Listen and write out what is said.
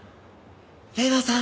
麗奈さん！